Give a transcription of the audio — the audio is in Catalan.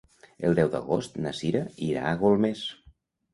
El deu d'agost na Cira irà a Golmés.